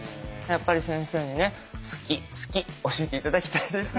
やっぱり先生にね「好き好き」教えて頂きたいです。